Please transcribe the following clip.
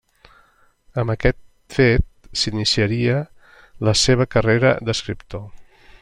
Amb aquest fet, s'iniciaria la seva carrera d'escriptor.